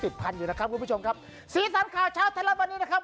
พันอยู่นะครับคุณผู้ชมครับสีสันข่าวเช้าไทยรัฐวันนี้นะครับ